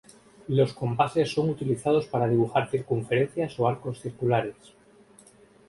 Los compases son utilizados para dibujar circunferencias o arcos circulares.